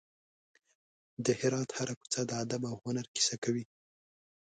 د هرات هره کوڅه د ادب او هنر کیسه کوي.